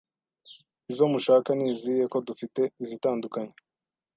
Izo mushaka ni izihe kodufite izitandukanye